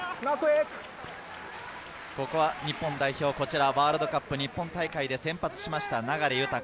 日本代表、ワールドカップ日本大会で先発した流大。